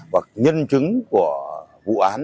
và nhân chứng của vụ án